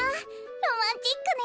ロマンチックね。